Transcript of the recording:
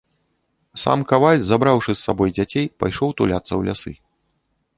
Сам каваль, забраўшы з сабою дзяцей, пайшоў туляцца ў лясы.